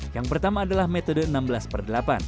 yang pertama adalah metode enam belas per delapan